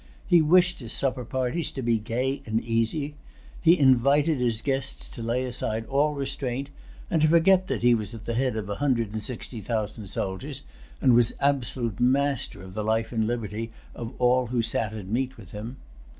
He wished his supper parties to be gay and easy. He invited his guests to lay aside all restraint, and to forget that he was at the head of a hundred and sixty thousand soldiers, and was absolute master of the life and liberty of all who sat at meat with him.